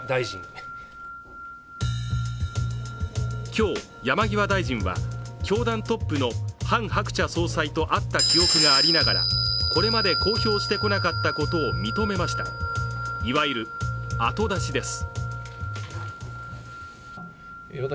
今日、山際大臣は教団トップのハン・ハクチャ総裁と会った記憶がありながらこれまで公表してこなかったことを認めましたいわゆる、後出しです。